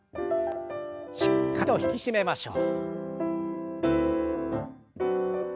しっかりと引き締めましょう。